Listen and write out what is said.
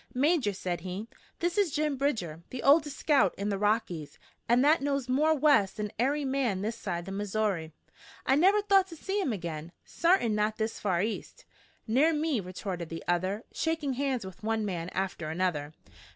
"Major," said he, "this is Jim Bridger, the oldest scout in the Rockies, an' that knows more West than ary man this side the Missoury. I never thought to see him agin, sartain not this far east." "Ner me," retorted the other, shaking hands with one man after another.